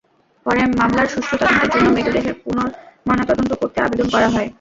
পরে মামলার সুষ্ঠু তদন্তের জন্য মৃতদেহের পুনর্ময়নাতদন্ত করতে আবেদন করা হয়।